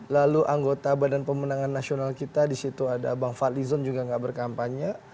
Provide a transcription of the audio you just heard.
lalu anggota badan pemenangan nasional kita disitu ada bang fadlizon juga gak berkampanye